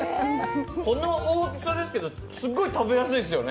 この大きさですけどすごい食べやすいですよね。